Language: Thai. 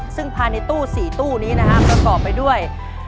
ซึ่งภายในตู้๔ตู้นี้นะครับประกอบไปด้วย